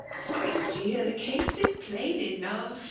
My dear, the ease is plain enough